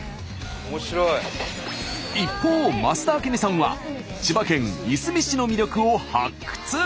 一方増田明美さんは千葉県いすみ市の魅力を発掘！